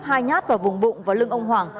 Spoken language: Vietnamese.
hai nhát vào vùng bụng và lưng ông hoàng